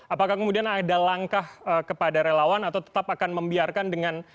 apakah kemudian ada langkah kepada relawan atau tetap akan membiarkan dengan